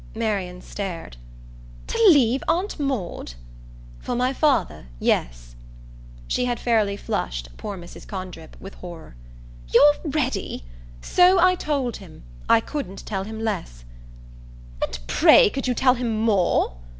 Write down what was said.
Marian stared. "To leave Aunt Maud ?" "For my father, yes." She had fairly flushed, poor Mrs. Condrip, with horror. "You're ready ?" "So I told him. I couldn't tell him less." "And pray could you tell him more?"